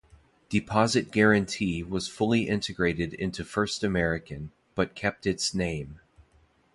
Deposit Guaranty was fully integrated into First American, but kept its name.